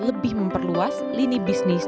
lebih memperluas lini bisnis